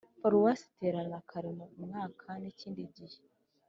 paruwase iterana kane mu mwaka n ikindi gihe